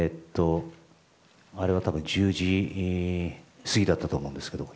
あれは５日の１０時過ぎだったと思うんですけども。